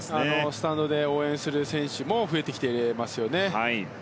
スタンドで応援する選手も増えてきていますよね。